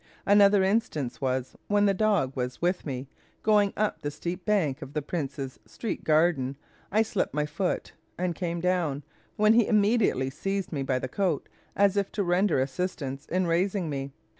Another instance was, when the dog was with me going up the steep bank of the Prince's Street garden, I slipped my foot and came down, when he immediately seized me by the coat, as if to render assistance in raising me.